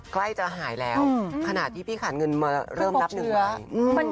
ใกล้จะหายแล้วขณะที่พี่ขาดเงินมาเริ่มนับหนึ่งร้อย